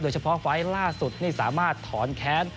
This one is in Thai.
โดยเฉพาะไฟล์ส์ล่าสุดสามารถถอนแค้น